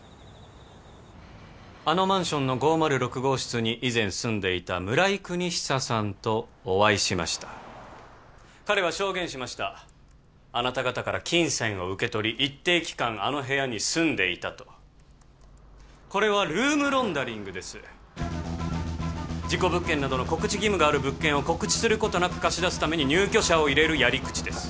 あのマンションの５０６号室に以前住んでいた村井邦久さんとお会いしました彼は証言しましたあなた方から金銭を受け取り一定期間あの部屋に住んでいたとこれはルームロンダリングです事故物件などの告知義務がある物件を告知することなく貸し出すために入居者を入れるやり口です